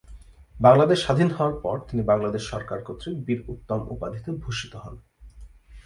বাংলাদেশ স্বাধীন হওয়ার পর তিনি বাংলাদেশ সরকার কর্তৃক বীর উত্তম উপাধিতে ভূষিত হন।